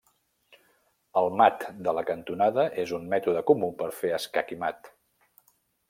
El mat de la cantonada és un mètode comú per fer escac i mat.